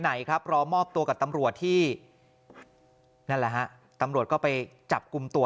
ไหนครับรอมอบตัวกับตำรวจที่นั่นแหละฮะตำรวจก็ไปจับกลุ่มตัว